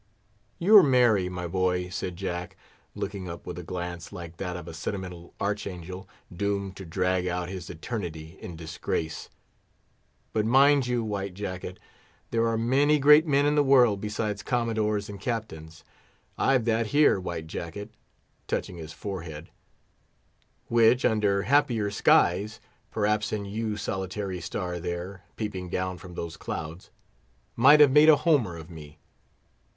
"You're merry, my boy," said Jack, looking up with a glance like that of a sentimental archangel doomed to drag out his eternity in disgrace. "But mind you, White Jacket, there are many great men in the world besides Commodores and Captains. I've that here, White Jacket"—touching his forehead—"which, under happier skies—perhaps in you solitary star there, peeping down from those clouds—might have made a Homer of me.